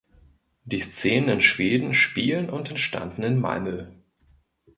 Die Szenen in Schweden spielen und entstanden in Malmö.